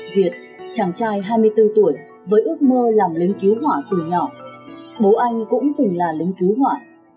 việt chàng trai hai mươi bốn tuổi với ước mơ làm lính cứu hỏa từ nhỏ bố anh cũng từng là lính cứu hỏa